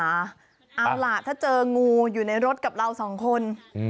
เอาล่ะถ้าเจองูอยู่ในรถกับเราสองคน